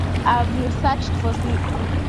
I've searched for freedom.